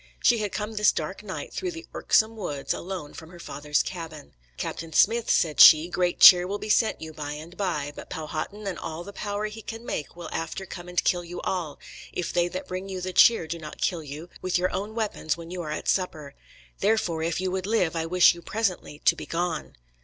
She had come this dark night through the "irksome woods" alone from her father's cabin. "Captain Smith," said she, "great cheer will be sent you by and by; but Powhatan and all the power he can make will after come and kill you all, if they that bring you the cheer do not kill you with your own weapons when you are at supper. Therefore, if you would live, I wish you presently to be gone."